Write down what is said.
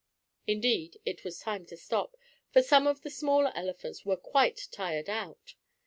Indeed it was time to stop, for some of the smaller elephants were quite tired out.